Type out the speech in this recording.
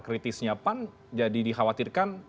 kritisnya pan jadi dikhawatirkan